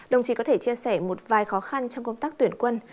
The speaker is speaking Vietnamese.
đồng chí có thể chia sẻ một vài khó khăn trong công tác tuyển quân